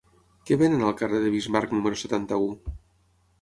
Què venen al carrer de Bismarck número setanta-u?